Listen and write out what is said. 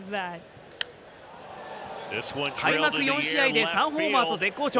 開幕４試合で３ホーマーと絶好調。